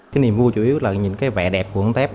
cái niềm vui chủ yếu là nhìn cái vẻ đẹp của con tép